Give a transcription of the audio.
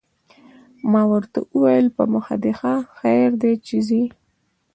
ما ورته وویل: په مخه دې ښه، خیر دی چې ځې.